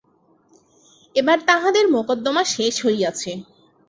এবার তাঁহাদের মকদ্দমা শেষ হইয়াছে।